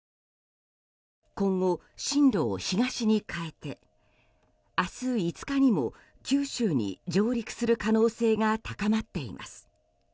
今後、進路を東に変えて明日５日にも九州に上陸する可能性が高まっています。